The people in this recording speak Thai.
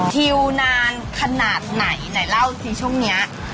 คิวนานขนาดไหนหน่อยเล่าสิช่วงเนี่ย